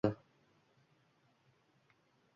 seriallar yoqadi.